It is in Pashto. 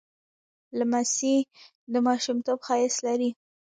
لمسی د ماشومتوب ښایست لري.